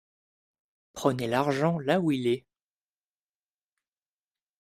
Prenez l’argent là où il est